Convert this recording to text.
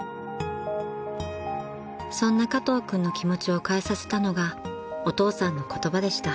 ［そんな加藤君の気持ちを変えさせたのがお父さんの言葉でした］